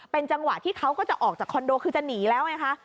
เป็นจังหวะที่เขาก็จะออกจากคอนโดคือจะหนีแล้วไงคะ